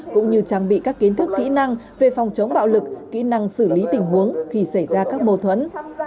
cũng như trang bị các kiến thức kỹ năng về phòng chống bạo lực kỹ năng xử lý tình huống khi xảy ra các mâu thuẫn